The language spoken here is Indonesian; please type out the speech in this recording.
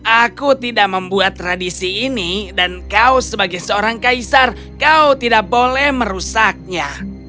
aku tidak membuat tradisi ini dan kau sebagai seorang kaisar kau tidak boleh merusaknya